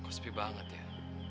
kau sepi banget ya